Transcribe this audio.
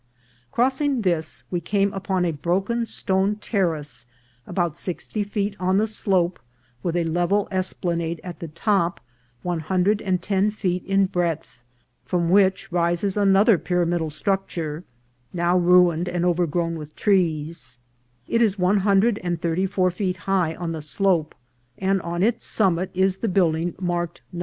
Crossing this, we come upon a broken stone terrace about sixty feet on the slope, with a level esplanade at the top, one hundred and ten feet in breadth, from which rises another pyram idal structure, now ruined and overgrown with trees ; it is one hundred and thirty four feet high on the slope, and on its summit is the building marked No.